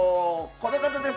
この方です。